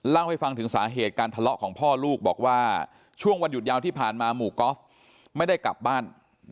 เล่าให้ฟังถึงสาเหตุการทะเลาะของพ่อลูกบอกว่าช่วงวันหยุดยาวที่ผ่านมาหมู่กอล์ฟไม่ได้กลับบ้าน